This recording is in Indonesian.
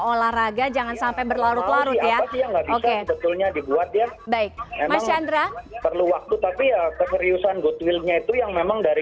olahraga jangan sampai berlarut larut dibuat ya besok waktu tapi kekerusan goodwill itu yang memang